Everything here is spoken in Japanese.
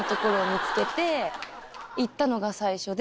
行ったのが最初で。